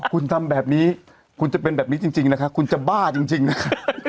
คุณทำแบบนี้คุณจะเป็นแบบนี้จริงนะคะคุณจะบ้าจริงนะคะ